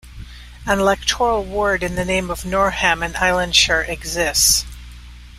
An electoral ward in the name of Norham and Islandshires exists.